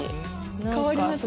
変わります？